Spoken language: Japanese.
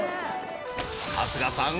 ［春日さん。